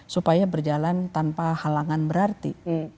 supaya berjalan tanpa halangan berarti